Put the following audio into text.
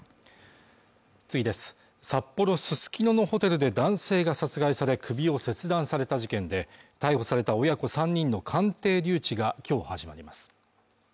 札幌・ススキノのホテルで男性が殺害され首を切断された事件で逮捕された親子３人の鑑定留置が今日始まります